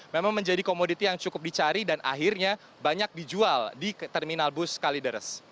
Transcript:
memang menjadi komoditi yang cukup dicari dan akhirnya banyak dijual di terminal bus kalideres